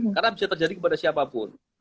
karena bisa terjadi kepada siapapun